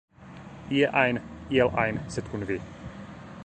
Ie ajn, iel ajn, sed kun vi!